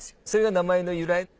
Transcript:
それが名前の由来。